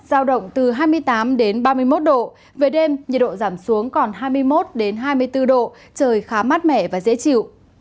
giao động từ hai mươi tám đến ba mươi một độ về đêm nhiệt độ giảm xuống còn hai mươi một hai mươi bốn độ trời khá mát mẻ và dễ chịu